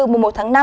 mùng một tháng năm